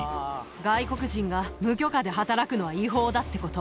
外国人が無許可で働くのは違法だってこと。